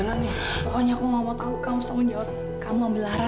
sampai jumpa di video selanjutnya